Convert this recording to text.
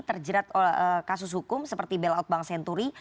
terjerat kasus hukum seperti belaut bang senturi